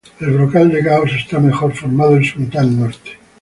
El brocal de Gauss está mejor formado en su mitad norte.